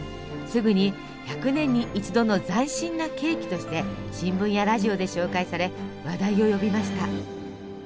すぐに１００年に一度の斬新なケーキとして新聞やラジオで紹介され話題を呼びました。